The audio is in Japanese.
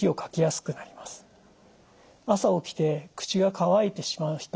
朝起きて口が乾いてしまう人